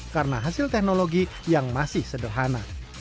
karena hasil teknologi yang masih sederhana